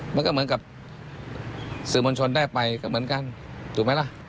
มันก็เหมือนกับสื่อมวลชนได้ไปก็เหมือนกันถูกไหมล่ะ